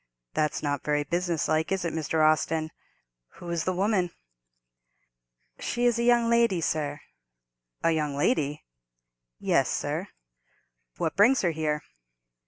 That's not very business like, is it, Mr. Austin? Who is the woman?" "She is a young lady, sir." "A young lady?" "Yes, sir." "What brings her here?"